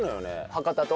博多と？